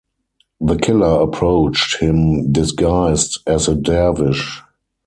The killer approached him disguised as a dervish.